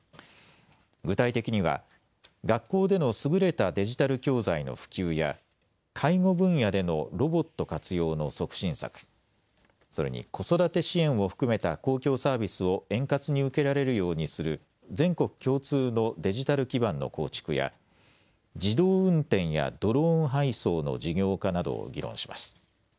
具体的には学校での優れたデジタル教材の普及や介護分野でのロボット活用の促進策、それに子育て支援を含めた公共サービスを円滑に受けられるようにする全国共通のデジタル基盤の構築や自動運転やドローン配送の事業化などを議論します。